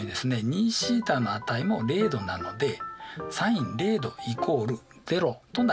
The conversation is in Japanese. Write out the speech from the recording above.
２θの値も０°なのでｓｉｎ０°＝０となります。